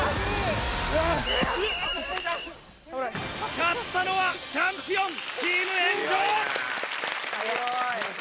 勝ったのはチャンピオンチーム炎上。